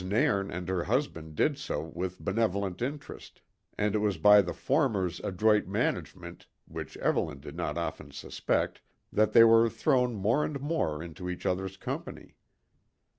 Nairn and her husband did so with benevolent interest, and it was by the former's adroit management, which Evelyn did not often suspect, that they were thrown more and more into each other's company.